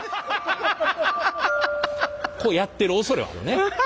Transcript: こうやってるおそれはあるね。